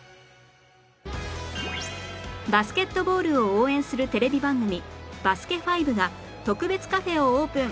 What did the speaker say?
バスケットボールを応援するテレビ番組『バスケ ☆ＦＩＶＥ』が特別カフェをオープン！